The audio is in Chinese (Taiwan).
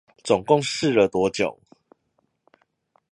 總共試了多久？